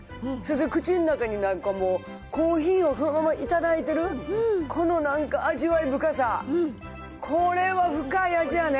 口の中に、なんかもうコーヒーをそのまま頂いてる、このなんか味わい深さ、これは深い味やね。